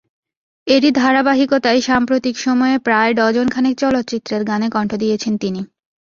এরই ধারাবাহিকতায় সাম্প্রতিক সময়ে প্রায় ডজন খানেক চলচ্চিত্রের গানে কণ্ঠ দিয়েছেন তিনি।